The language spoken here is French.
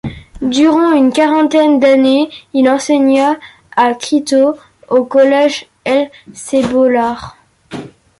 Durant une quarantaine d'années, il enseigna à Quito, au collège El Cebollar.